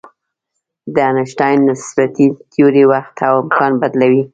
د آینشټاین نسبیتي تیوري وخت او مکان بدلوي.